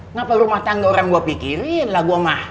ngapain rumah tangga orang gua pikirin lah gua mah